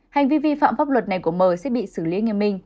hành vi vi phạm pháp luật này của my sẽ bị xử lý nghiêm minh